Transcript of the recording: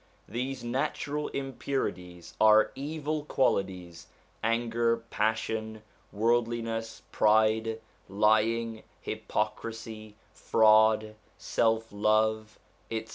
These natural impurities are evil qualities: anger, passion, worldliness, pride, lying, hypocrisy, fraud, self love, etc.